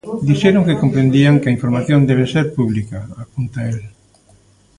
"Dixeron que comprendían que a información debe ser pública", apunta el.